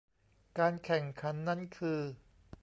การแข่งขันนั้นคือ